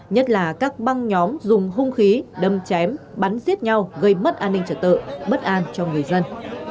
nhất là các băng nhóm dùng hung khí đâm chém bắn giết nhau gây mất an ninh trật tự bất an cho người dân